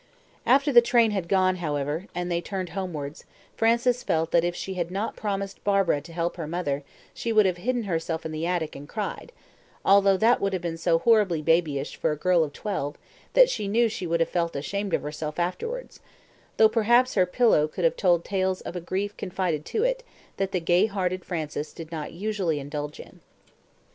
After the train had gone, however, and they turned homewards, Frances felt that if she had not promised Barbara to help her mother she would have hidden herself in the attic and cried, although that would have been so "horribly babyish" for a girl of twelve that she knew she would have felt ashamed of herself afterwards; though perhaps, her pillow could have told tales of a grief confided to it that the gay hearted Frances did not usually indulge in.